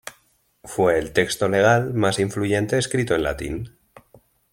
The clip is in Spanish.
Fue el texto legal más influyente escrito en latín.